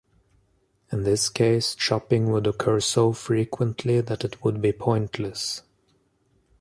In this case, chopping would occur so frequently that it would be pointless.